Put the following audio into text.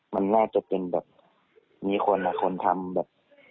มันน่าจะเป็นแบบมีคนอ่ะคนทำแบบ